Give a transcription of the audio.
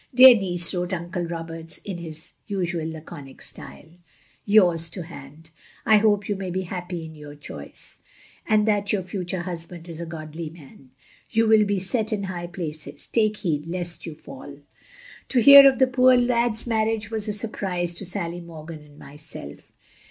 *'Dear Niece,'' wrote Uncle Roberts in his usual laconic style. ''Your's to hand. I hope you may be happy in your choice^ and that your Future Husband is a godly man. You will be set in High Places, take heed lest you fall. " To hear of the poor Lad's marriage was a Sur prize to SaUy Morgan and myself.